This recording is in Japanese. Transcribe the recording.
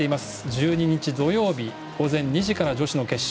１２日土曜日、午前２時から女子の決勝。